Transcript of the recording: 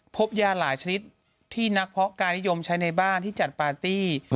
พบยาหลายชนิดที่นักเพาะการนิยมใช้ในบ้านที่จัดปาร์ตี้